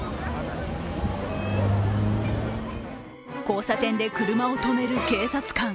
交差点で車を止める警察官。